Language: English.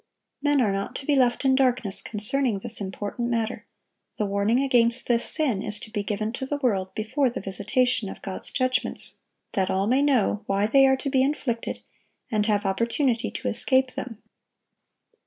Men are not to be left in darkness concerning this important matter; the warning against this sin is to be given to the world before the visitation of God's judgments, that all may know why they are to be inflicted, and have opportunity to escape them.